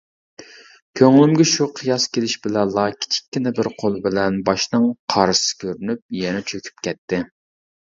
كۆڭلۈمگە شۇ قىياس كېلىش بىلەنلا كىچىككىنە بىر قول بىلەن باشنىڭ قارىسى كۆرۈنۈپ يەنە چۆكۈپ كەتتى.